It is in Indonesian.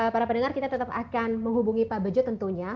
para pendengar kita tetap akan menghubungi pak bejo tentunya